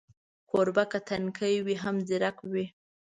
کوربه که تنکی وي، هم ځیرک وي.